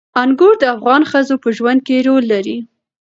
انګور د افغان ښځو په ژوند کې رول لري.